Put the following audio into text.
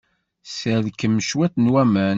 Sserkem cwiṭ n waman.